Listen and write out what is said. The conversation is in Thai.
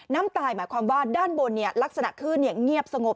น้ำตายหมายความว่าด้านบนลักษณะคลื่นเงียบสงบ